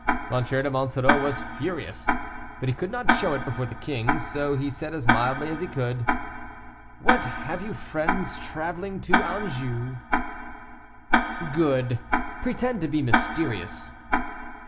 M. de Monsoreau was furious, but he could not show it before the king; so he said as mildly as he could, "What, have you friends traveling to Anjou?" "Good; pretend to be mysterious."